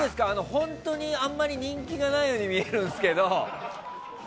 本当にあんまり人気ない感じに見えるけど。